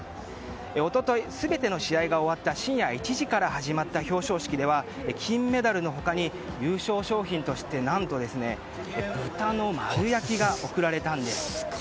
一昨日全ての試合が終わった深夜１時から始まった表彰式では金メダルの他に、優勝賞品として何と豚の丸焼きが贈られたんです。